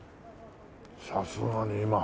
さすがに今半。